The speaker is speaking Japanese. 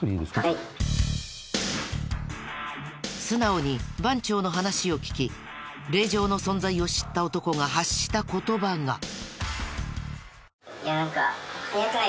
素直に番長の話を聞き令状の存在を知った男が発した言葉が。